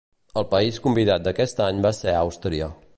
El país convidat d’aquest any va ser Àustria.